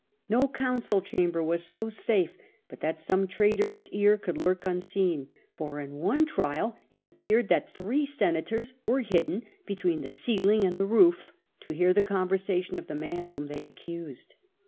No council chamber was so safe but that some traitorous ear could lurk unseen, for in one trial it appeared that three senators were hidden between the ceiling and the roof to hear the conversation of the man whom they accused.